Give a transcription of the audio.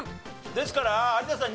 ですから有田さん